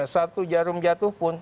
satu jarum jatuh pun